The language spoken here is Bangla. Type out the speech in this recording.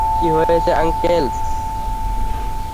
কি হয়েছে, অ্যালেক্স?